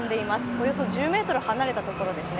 およそ１０ｍ離れたところですね。